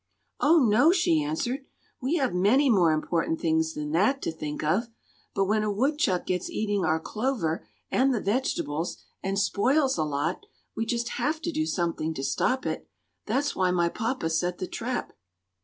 "Oh, no!" she answered. "We have many more important things than that to think of. But when a woodchuck gets eating our clover and the vegetables, and spoils a lot, we just have to do something to stop it. That's why my papa set the trap."